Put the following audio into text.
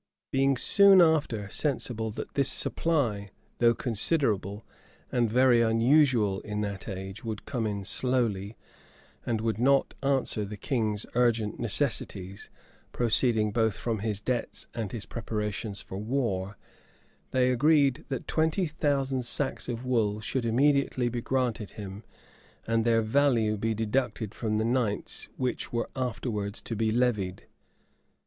Being soon after sensible that this supply, though considerable, and very unusual in that age, would come in slowly, and would not answer the king's urgent necessities, proceeding both from his debts and his preparations for war, they agreed that twenty thousand sacks of wool should immediately be granted him, and their value be deducted from the ninths which were afterwards to be levied.